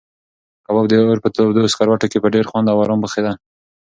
کباب د اور په تودو سکروټو کې په ډېر خوند او ارام پخېده.